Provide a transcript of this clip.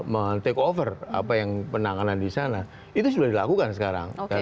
menanggung apa yang penanganan di sana itu sudah dilakukan sekarang